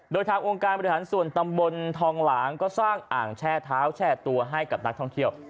โดยทางองค์การบริหารส่วนตำบลทองหลางก็สร้างอ่างแช่เท้าแช่ตัวให้กับนักท่องเที่ยว